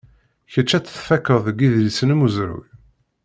Kečč ad tt-tfakkeḍ deg idlisen umezruy.